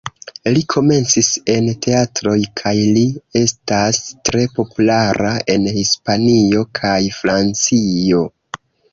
Li komencis en teatroj, kaj li estas tre populara en Hispanio kaj Francio.